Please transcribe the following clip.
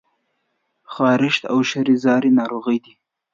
خارښت او شری څاری ناروغی دي؟